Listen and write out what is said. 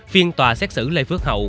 phiên tòa xét xử lê phước hậu